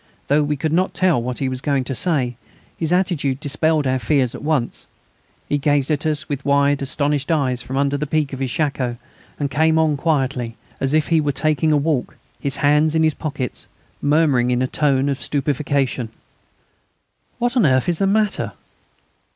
Though we could not tell what he was going to say, his attitude dispelled our fears at once. He gazed at us with wide astonished eyes from under the peak of his shako, and came on quietly, as if he were taking a walk, his hands in his pockets, murmuring in a tone of stupefaction: "What on earth is the matter?"